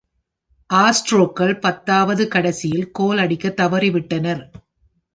ஆஸ்ட்ரோக்கள் பத்தாவது கடைசியில் கோல் அடிக்கத் தவறிவிட்டனர்.